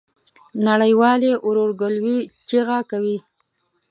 نړۍ والي ورورګلوی چیغه کوي.